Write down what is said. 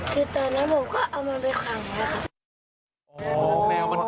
คือตอนนั้นผมก็เอามันไปขังนะครับ